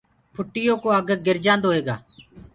ڦُٽِيو ڪو اَگھ گِرجآنٚدو هيگآ